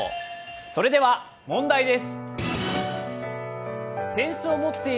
それでは問題です。